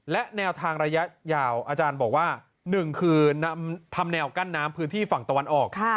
และแนวทางระยะยาวอาจารย์บอกว่า๑คือทำแนวกั้นน้ำพื้นที่ฝั่งตะวันออก